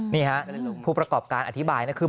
นี่ฮะผู้ประกอบการอธิบายนะคือ